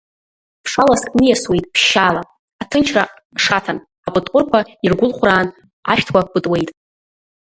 Ԥшаласк ниасуеит ԥшьшьала, аҭынчра шаҭан, апытҟәырқәа иргәылхәраан ашәҭқәа пытуеит.